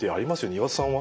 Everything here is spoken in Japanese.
岩田さんは？